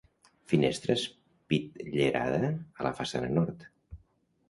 Finestra espitllerada a la façana nord.